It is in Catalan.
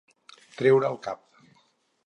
Treure el cap.